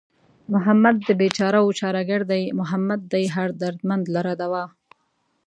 محمد د بېچارهوو چاره گر دئ محمد دئ هر دردمند لره دوا